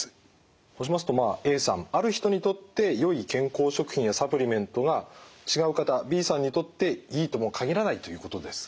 そうしますとＡさんある人にとってよい健康食品やサプリメントが違う方Ｂさんにとっていいとも限らないということですね？